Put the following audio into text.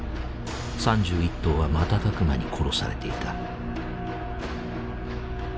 ３１頭は瞬く間に殺されていた。